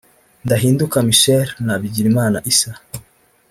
Ndahinduka Michel na Bigirimana Issa